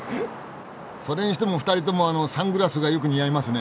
それにしても２人ともあのサングラスがよく似合いますね。